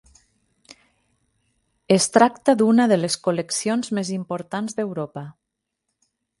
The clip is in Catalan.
Es tracta d'una de les col·leccions més importants d'Europa.